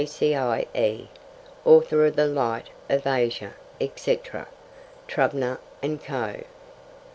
K.C.I.E., Author of The Light of Asia, etc. (Trubner and Co.)